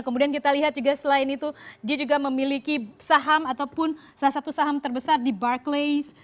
kemudian kita lihat juga selain itu dia juga memiliki saham ataupun salah satu saham terbesar di barclace